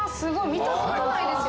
見たことないですよ